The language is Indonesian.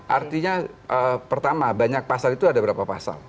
artinya pertama banyak pasal itu ada berapa pasal